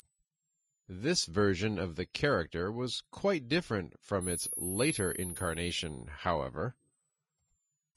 This version of the character was quite different from its later incarnation, however.